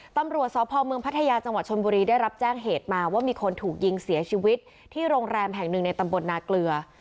ตำรวจสพเมืองพัทยาจังหวัดชนบุรีได้รับแจ้งเหตุมาว่ามีคนถูกยิงเสียชีวิตที่โรงแรมแห่งหนึ่งในตำบลนาเกลือ